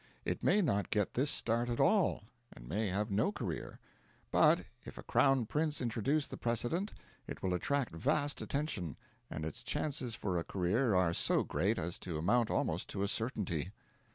It may not get this start at all, and may have no career; but, if a crown prince introduce the precedent, it will attract vast attention, and its chances for a career are so great as to amount almost to a certainty.